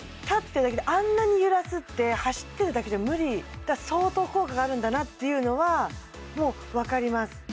立ってるだけであんなに揺らすって走ってるだけじゃ無理だから相当効果があるんだなっていうのはもう分かります